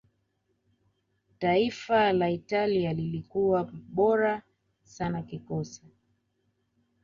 taifa la italia lilikuwa bora sana kisoka